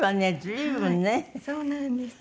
そうなんです。